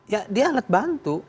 ya dia alat bantu